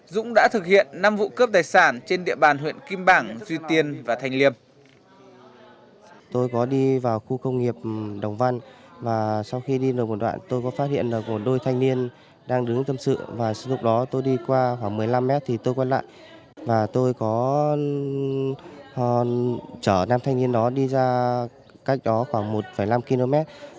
dũng đã thực hiện năm vụ cướp tài sản trên địa bàn huyện kim bảng duy tiên và thanh liêm